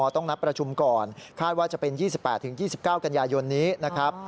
ต้องนัดประชุมก่อนคาดว่าจะเป็น๒๘๒๙กันยายนนี้นะครับ